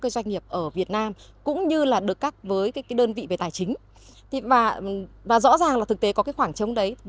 các doanh nghiệp ở việt nam cũng như được cắt với đơn vị về tài chính và rõ ràng thực tế có khoảng trống đấy